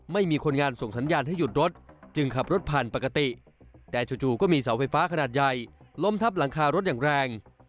ไม่มีคนงานส่งสัญญาณให้หยุดรถจึงขับรถผ่านปกติแต่จู่ก็มีเสาไฟฟ้าขนาดใหญ่ล้มทับหลังคารถอย่างแรง